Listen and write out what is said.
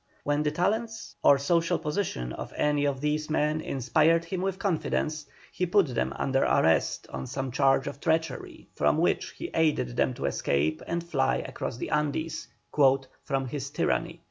When the talents or social position of any of these men inspired him with confidence, he put them under arrest on some charge of treachery, from which he aided them to escape and fly across the Andes, "from his tyranny."